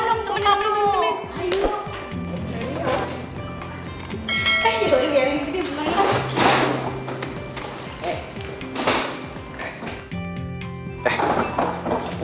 bukon dong temen temen